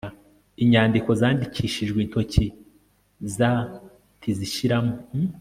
inyandiko zandikishijwe intoki za ntizishyiramo